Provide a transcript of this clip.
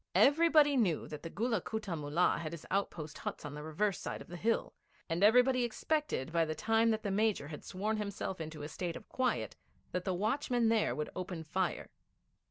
Everybody knew that the Gulla Kutta Mullah had his outpost huts on the reverse side of the hill, and everybody expected by the time that the Major had sworn himself into a state of quiet that the watchmen there would open fire.